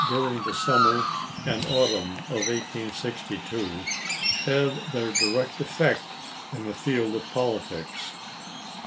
during the summer and autumn of 1862 had their direct effect in the field of politics.